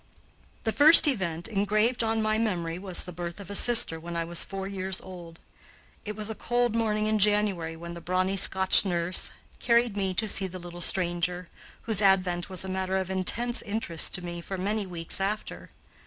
The first event engraved on my memory was the birth of a sister when I was four years old. It was a cold morning in January when the brawny Scotch nurse carried me to see the little stranger, whose advent was a matter of intense interest to me for many weeks after.